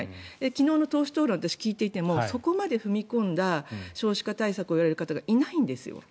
昨日の党首討論を私、聞いていてもそこまで踏み込んだ少子化対策をやる方がいないんですよ。